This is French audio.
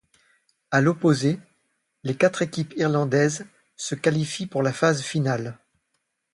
A l'opposé, les quatre équipes irlandaises se qualifient pour la phase finale.